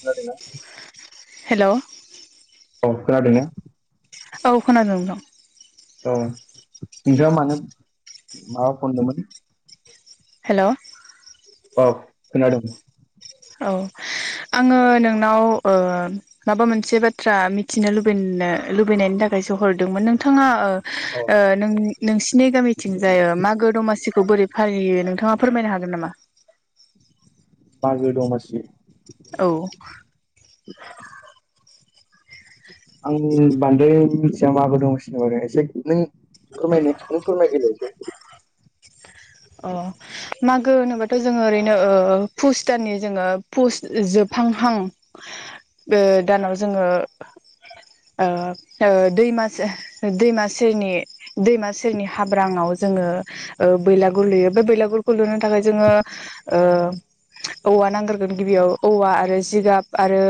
खोनादों ना? हेल' अ खोनादोंना? औ खोनादोंं नोंथां। औ नोंसा मानो माबा फनदोंमोन हेल' औ खोनादों औ आङो नोंनाव माबा मोनसे बाथ्रा मिथिनो लुबैनो लुबैनायनि थाखाय हरदोंमोन नोंथाङा औ नोंसिनि गामिथिं जायो मागो दमासिखौ बोरै फारिलियो नोंथाङा फोरमायनो हागोन नामा? मागो दमासि औ आं बांद्राय मिथिया माबो दंसनो बारो एसे नों [unintelligible] अ मागो होनोबाथ' जोङो ओरैनो पुस दाननि जोङो पुस जोबहांहां दानाव जोङो दैम दैमा सेरनि दैमा सेरनि हाब्रांआव जोङो बैलागुर लुयो बे बैलागुरखौ लुनो थाखाय जोङो औवा नांग्रगोन गिबियाव औवा आरो जिगाब आरो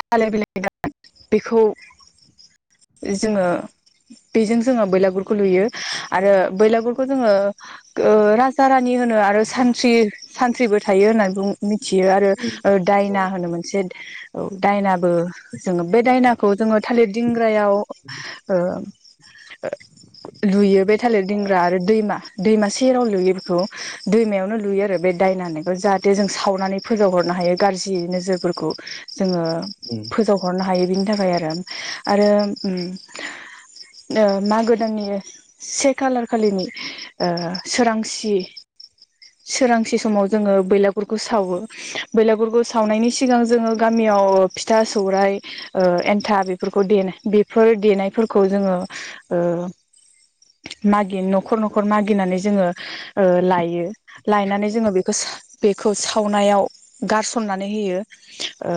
थालाय बिलइ गान बेखौ जोङो बेजों जोङो बैलागुरखौ लुयो आरो बैलागुरखौ जोङो राजा रानि होनो आरो सानथ्रि सानख्रिबो थायो होननानै बुं मिथियो आरो उम दायना औ होनो मोनसे औ दायनाबो जोङो बे दायनाखौ जोङो थालिर दिंग्रायाव ओ लुयो बे थालिर दिंग्रा आरो दैमा दैमा सेराव लुयो बेखौ दैमायावनो लुयो आरो बे दायनानैखौ जाहाथे जों सावनानै फोजावहरनो हायो गाज्रि नोजोरफोरखौ जोङो उम फोजावहरनो हायो बिनि थाखाय आरो आरो उम। ओ मागो दाननि से खालार खालिनि ओ सोरांसि सोरांसे समाव जोङो बैलागुरखौ सावो बेैलागुरखौ सावनायनि सिगां जोङो गामियाव फिथा सौराय ओ एन्था बेफोरखौ दे बेफोर देनायफोरखौ जोङो ओ मागि न'खर न'खर मागिनानै जोङो ओ लायो। लायनानै जोङो बेखौ बेखौ सावनायाव गारसननानै होयो ओ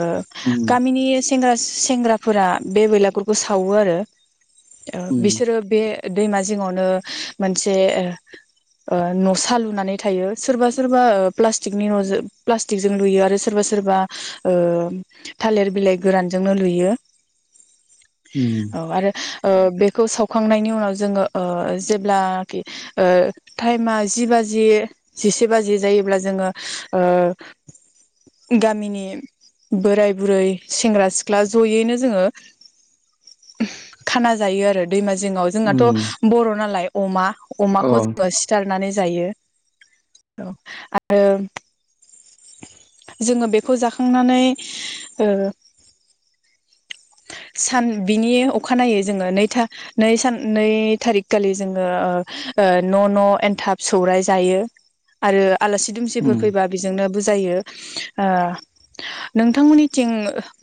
उम गामिनि सेंग्रा सेंग्राफोरा बे बेलागुरखौ सावो आरो। ओ उम बिसोरो बे दैमा जिङावनो मोनसे ओ न'सा लुनानै थायो सोरबा सोरबा प्लास्टिकनि न'जो प्लास टिकटों लुयो आरो सोरबा सोरबा ओ थालेर बिलाइ गोरानजोंनो लुयो उम औ आरो ओ बेखौ सावखांनायनि उनाव जोङो ओ जेब्लाखि ओ टाइमा जि बाजि जिसे बाजि जायोब्ला जोङो ओ गामिनि बोराय बुरै सेंग्रा सिख्ला जयैनो जोङो थाना जायो आरो दैमा जिङाव उम जोंहाथ' बर' नालाय अमा अ अमाखौ जोङो सि थारनानै जायो औ आरो जोङो बेखौ जाखांनानै ओ सान बिनि अखानायै जोङो नैथा नै सान नै थारिख खालि जोङो ओ न' न' एनथाब सौराइ जायो। आरो आलासि दुमसिफोर उम फैबा बेजोंनो बुजायो। ओ नोंथांमोननिथिं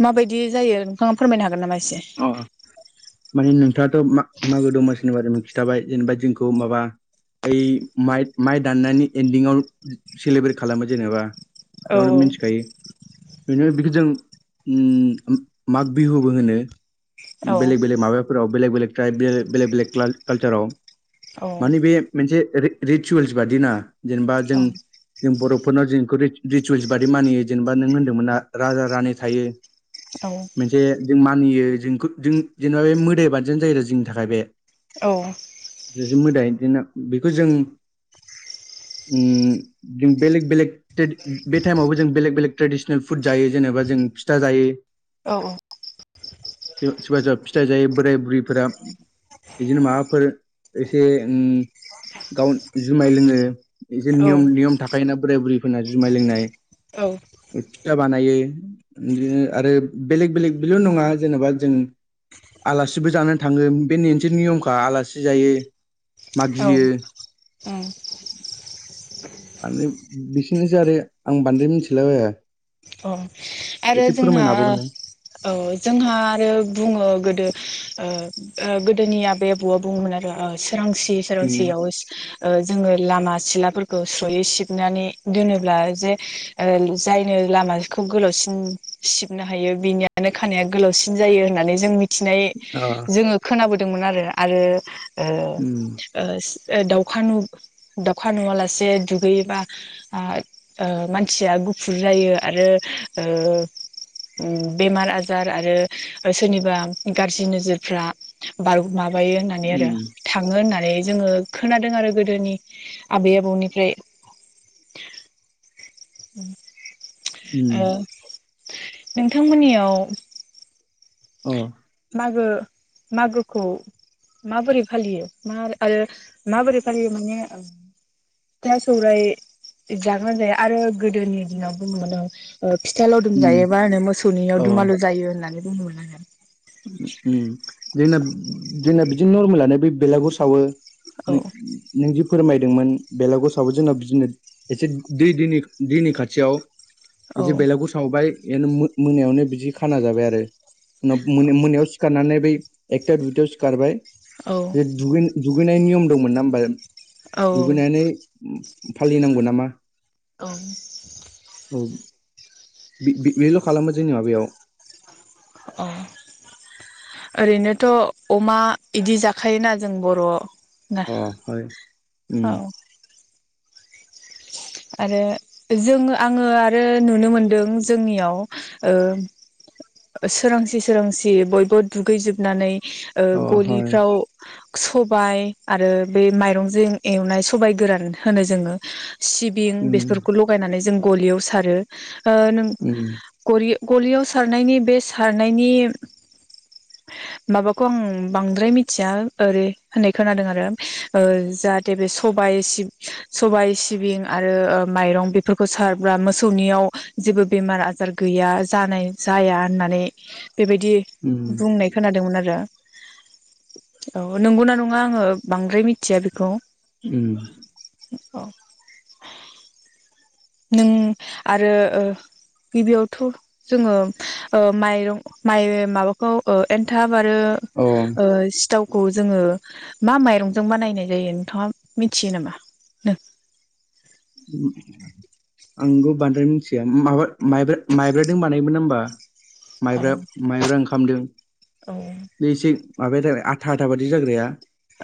माबायदि जायो नोंथाङा फोरमायनो हागोन नामा एसे? अ माने नोंथाङाथ' मा मागो दमासिनि बारै खिन्थाबाय जेनेबा जोंखौ माबा ओइ माइ माइ दाननायनि एन्दिंआव सेलेब्रेट खालामो जेनेबा। औ बावनो मिनथिखायो बेनो बिखौ जों उम माग बिहुबो होनो। औ बेलेग बेलेग माबाफोराव बेलेक बेलेक ट्राइब बे बेलेक बेलेक क्ला कालचाराव औ माने बे मोनसे रे रिसुयेल्स बादिना जेनेबा जों औ जों बर'फोरनाव जोंखौ रिसुवेल्स बादि मानियो जेनेबा नों होन्दों मोन्ना राजा रानि थायो। औ। मोनसे जों मानियो जोंखौ जों जेनेबा बे मोदाय बादियानो जायो आरो जोंनि थाखाय बे। औ। ज' ज' मोदाय बिदिनो बेखौ जों उम जों बेलेग बेलेग थ्रे बे टाइमावबो जों बेलेग बेलेग ट्रेडिसनेल फुड जायो जेनेबा जों फिथा जायो। औ औ। बे सोरबा सोरबा फिथाइ जायो बोराय बुरैफोरा। बिदिनो माबाफोर एसे उम गाव जुमाय लोङो एसे नियम औ नियम था खायोना बोराय बुरैफोरना जुमाय लोंनाय। फिथा बानायो बिदिनो आरो बेलेक बेलेक बेल' नङा जेनेबा जों आलासिबो जानानै थाङो बे मोनसे नियमखा आलासिबो जायो। औ मागियो उम। माने बिसोरनि जारै आं बांद्राय मिन्थिलाबाया। अ' आरो जोंहा हाबावगोन नों ओ औ जोंहा आरो बुङो गोदो ओ गोदोनि आबै आबौआ बुङोमोन आरो ओ सोरांसि उम सोरांसियाव ओ जोंङो लामा सिलाफोरखौ स्रयै सिबनानै दोनोब्ला जे जायनो लामाखौ गोलावसिन सिबनो हायो बिनियानो खानाया गोलावसिन जायो होननानै जों मिथि थिनाय अ जोंङो खोनाबोदोंमोन आरो ओ उम ओ सि दावखा नु दाउखा नुवालासे दुगैयोबा आ ओ मानसिया गुफुर जायो। आरो ओ ओम बेमार आजार आरो ओ सोरनिबा गाज्रि नोजोरफ्रा बारग' माबायो होननानै आरो उम थांङो होननानै जोंङो खोनादों आरो गोदोनि आबै आबौनिफ्राय। ओ उम नोंथां मोननियाव अ मागो मागोखौ माबोरै फालियो मा आरो माबोरै फालियो माने फिथा सौराय जागोन जाया आरो गोदोनि दिनाव बुङोमोन औ फिथाइ लावदुम उम जायोबा मोसौनियाव अ दुमालु जायो होननानै बुङोमोन नों ओम जोंना जोंना बिदिनो नरमेलानो बे बेलागुर सावो औ नों जि फोरमायदोंमोन बेलागसआवबो जोंनाव बिदिनो एसे दै दैनि दैनि खाथियाव औ एसे बेलागुर सावबाय बे मोनायावनो बिदि खाना जाबाय आरो मोन मोनायाव सिखारनानै बै एकथा दुइथायाव सिखारबाय औ बे दुगै दुगैनाय नियम दंमोन ना होमबा औ दुगैनानै फालिनांगौ नामा औ औ बि बि बेल' खालामो जोंनि माबायाव। अ ओरैनोथ' अमा इदि जाखायोना जों बर' अ हय [unintelligible] उम औ आरो जोंङो आंङो आरो नुनो मोनदों जोंनियाव ओ सोरांसि सोरांसि बयबो दुगैजोबनानै ओ अ हय गलिफ्राव सबाय आरो बे माइरंजों एवनाय सबाइ गोरान होनो जोंङो सिबिं उम बेफोरखौ लगायनानै जों गलियाव सारो ओ नों उम गरि गलियाव सारनायनि बे सारनायनि माबाखौ आं बांद्राय मिथिया ओरै होननाय खोनादों आरो जा जेरै सबाय सि सबाय सि सिबिं आरो ओ माइरं बेफोरखौ सारब्ला मोसौनियाव जेबो बेमार आजार गैया जानाय जाया होननानै बेबायदि उम बुंनाय खोनादोंमोन आरो औ नंगौना नङा आंङो बांद्राय मिथिया बेखौ उ औ नों आरो गिबियावथ' जोंङो ओ माइरं माइ माबाखौ एनथाब आरो अ ओ सिथाव खौ जोंङो मा माइरंजों बानायनाय जायो नोंथाङा मिथियो नामा? [unintelligible] आंबो बांद्राय मिथिया माबा माइब्रा माइब्रादों बानायोमोन ना होमबा औ माइब्रा माइब्रा ओंखामदो। औ बे एसे माबाया आथा आथा बादि जाग्राया।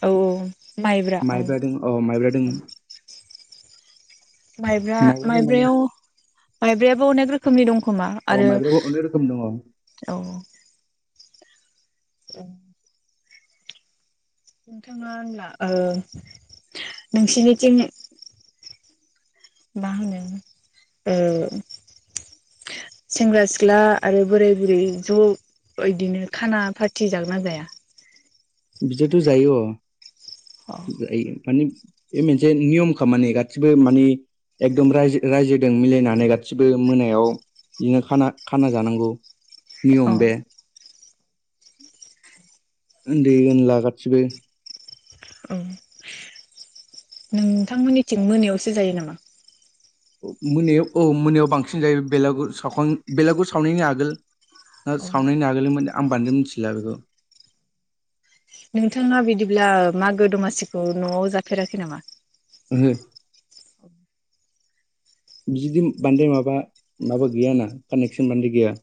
औ औ माइब्रा औ। माइब्रादों अ माइब्रा दोङो माइब्रा माइब्राजों माने माइब्रायाव माइब्रायाबो अनेक रोख रोखोमनि दंखोमा अ आरो माइब्राबो अनेक रोखोम दङ औ उम नोंथाङा होनब्ला ओ नोंसिनिथिं मा होनो ओ सेंग्रा सिख्ला आरो बोराय बुरै ज' इदिनो खाना पारथि जागोन ना जाया? बिदिथ' जायो अ। अ जायो माने बे मोनसे नियमखा मानि गासिबो माने एकदम रायजो रायजोदों मिलायनानै गासिबो मोनायाव इदिनो खाना खाना जानांगौ। औ नियम बे। उन्दै उनला गासिबो। औ नोंथांमोननिथिं मोनायावसो जायो नामा? मोनायाव औ मोनायाव बांसिन जायो बेलागुर सावखां बेलागुर सावनायनि आगोल। ना औ सावनायनि आगोलैमोने आं बान्द्राय मिथिला बेखौ। नोंथाङा बिदिब्ला मागो दमासिखौ न'आव जाफेराखै नामा? ओंहो बिदि बांदाय माबा माबा गैया आंना कानेक्सन बान्द्राय गैया।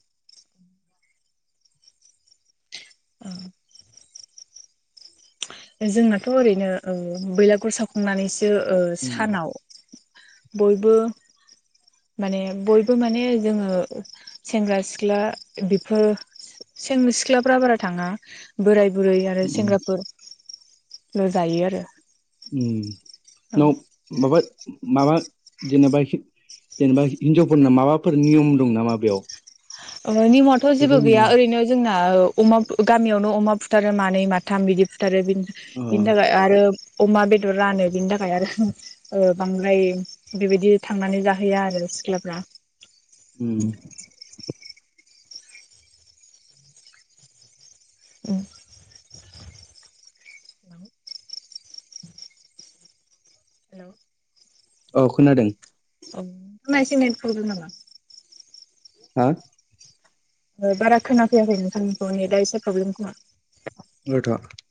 जोंनाथ' ओरैनो औ बैलागुर सावखांनानैसो ओ उम। सानाव बयबो माने बयबो माने जोङो सेंग्रा-सिख्ला बेफोर सेंग्रख सिख्लाफ्रा बारा थाङा बोराय बुरै आरो उम सेंग्राफोर ल'जायो आरो उम न माबा माबा जेनेबा एसे जेनेबा हिनजावफोरना माबाफोर नियम दं नामा बेयाव? नियमाथ' एसे जेबो गैया फोरमायनो ओरैनो जोंना अमा गामियावनो अमा फुथारो मानै माथाम बिदि फुथारो बिनि अ बिनि‌ थाखाय आरो अमा बेदर रानो बिनि थाखाय आरो बांद्राय बेबायदि थांनानै जाहैया आरो सिख्लाफ्रा। उम उम हेलौ हेल' औ खोनादों। औ नोंथांना एसे नेथ प्रब्लेम नामा? हा बारा खोनाफैाखै नोंथांमोनखौ नेटआ एसे प्रब्लेम खोमा। [unintelligible]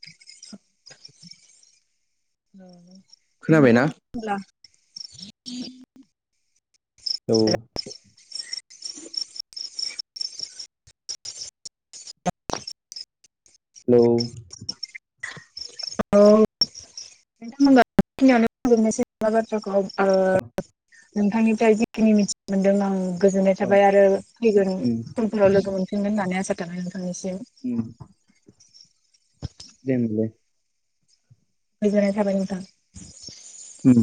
औ नोंथां खोनाबायना? होनब्ला औ हेलौ औ नोंथां होनबा बे खिनियावनो फोजोबनोसै नाबा बाथ्राखौ? ओ नोंथांनिफ्राय जिखिनि मिथिनो मोनदों आं गोजोननाय अ थाबाय आरो फैगोन उम उनाव लोगो मोनफिनगोन होननानै आसा थाबाय नोंथांनिसिम। उम दे होनबालाय। गोजोननाय थाबाय नोंथां। उम